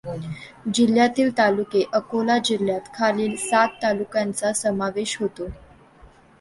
जिल्ह्यातील तालुके अकोला जिल्ह्यात खालील सात तालुक्यांचा समावेश होतो.